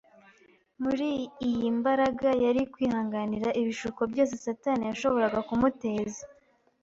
muri iyi mbaraga yari kwihanganira ibishuko byose Satani yashoboraga kumuteza